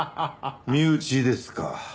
身内ですか。